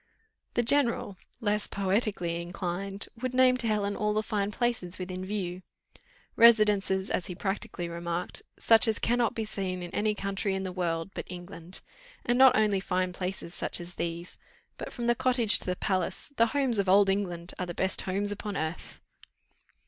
The general, less poetically inclined, would name to Helen all the fine places within view "Residences," as he practically remarked, "such as cannot be seen in any country in the world but England; and not only fine places such as these, but from the cottage to the palace 'the homes of Old England' are the best homes upon earth."